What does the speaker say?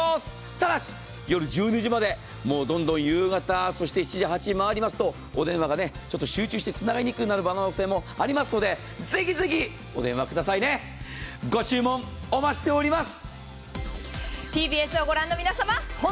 ただし、夜１２時まで、どんどん夕方、そして７時、８時回りますとお電話が集中して、つながりにくくなる可能性もありますので、ぜひぜひお電話くださいね、ご注文お待ちしております。